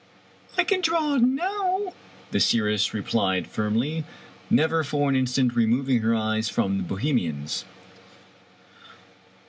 " I can draw now" the seeress replied firmly, never for an instant removing her eyes from the Bohemian's.